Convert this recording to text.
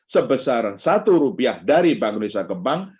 sebesar rp satu dari bank indonesia ke bank